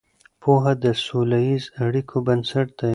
پوهه د سوله ییزو اړیکو بنسټ دی.